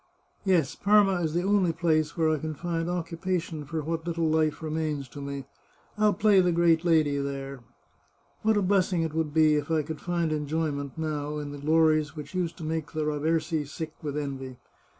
Yes, Parma is the only place where I can find occupation for what little life remains to me. I'll play the great lady there. What a bless ing it would be if I could find enjoyment, now, in the glories which used to make the Raversi sick with envy